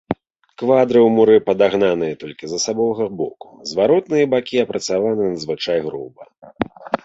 Квадры ў муры падагнаныя толькі з асабовага боку, зваротныя бакі апрацаваны надзвычай груба.